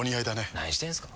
何してんすか。